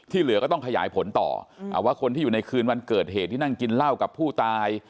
เหลือก็ต้องขยายผลต่อว่าคนที่อยู่ในคืนวันเกิดเหตุที่นั่งกินเหล้ากับผู้ตาย